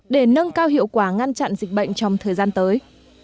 để nâng cao hiệu quả ngăn chặn dịch bệnh trong thời gian tới